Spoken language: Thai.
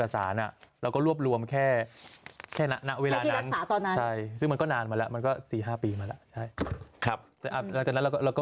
สั่งเพิ่มได้อีก